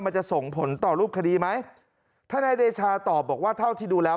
มันจะส่งผลต่อรูปคดีไหมทนายเดชาตอบบอกว่าเท่าที่ดูแล้ว